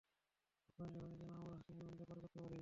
সবসময় এভাবেই যেন আমরা হাসি আনন্দে পার করতে পারি!